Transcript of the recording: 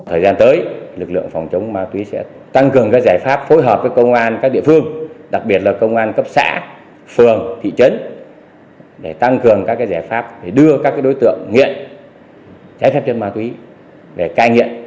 thời gian tới lực lượng phòng chống ma túy sẽ tăng cường các giải pháp phối hợp với công an các địa phương đặc biệt là công an cấp xã phường thị trấn để tăng cường các giải pháp để đưa các đối tượng nghiện trái phép chân ma túy để cai nghiện